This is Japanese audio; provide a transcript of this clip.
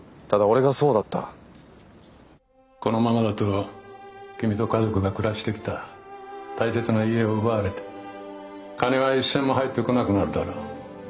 このままだと君と家族が暮らしてきた大切な家を奪われて金は一銭も入ってこなくなるだろう。